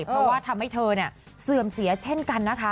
เพราะว่าทำให้เธอเสื่อมเสียเช่นกันนะคะ